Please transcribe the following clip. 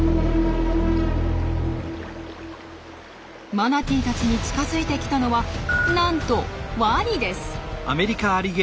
マナティーたちに近づいてきたのはなんとワニです。